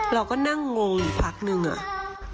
เราก็นั่งงงอยู่พักนึงอะ